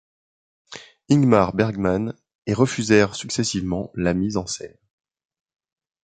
Ingmar Bergman, et refusèrent successivement la mise en scène.